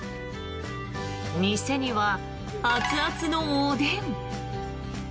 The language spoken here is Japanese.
店には熱々のおでん。